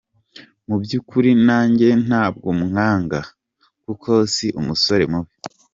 Mu by’ ukuri nanjye ntabwo mwaga, kuko si umusore mubi.